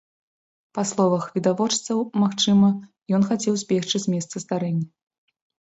Па словах відавочцаў, магчыма, ён хацеў збегчы з месца здарэння.